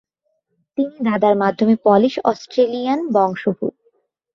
তিনি দাদার মাধ্যমে পোলিশ-অস্ট্রেলিয়ান বংশোদ্ভূত।